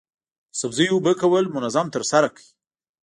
د سبزیو اوبه کول منظم ترسره کړئ.